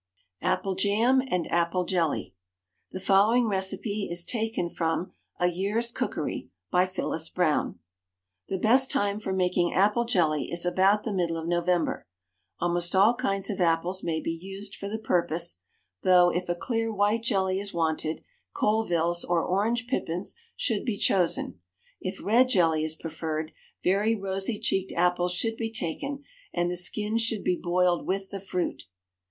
APPLE JAM AND APPLE JELLY. The following recipe is taken from "A Year's Cookery," by Phyllis Brown: "The best time for making apple jelly is about the middle of November. Almost all kinds of apples may be used for the purpose, though, if a clear white jelly is wanted, Colvilles or orange pippins should be chosen; if red jelly is preferred, very rosy cheeked apples should be taken, and the skins should be boiled with the fruit.